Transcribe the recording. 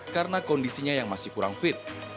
karena kondisinya yang masih kurang fit